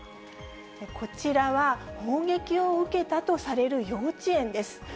こちらは、砲撃を受けたとされる幼稚園です。